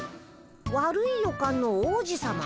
悪い予感の王子さま？